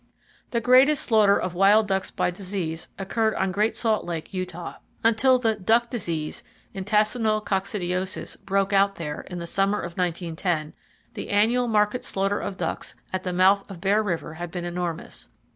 The greatest slaughter of wild ducks by disease occurred on Great Salt Lake, Utah. Until the "duck disease" (intestinal coccidiosis) broke out there, in the summer of 1910, the annual market slaughter of ducks at the mouth of Bear River had been enormous.